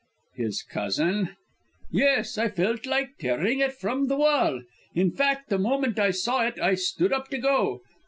"His cousin?" "Yes. I felt like tearing it from the wall. In fact, the moment I saw it, I stood up to go.